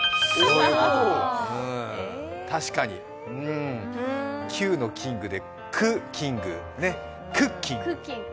確かに、９のキングでクキング、クッキング。